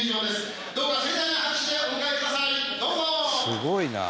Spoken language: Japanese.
「すごいなあ」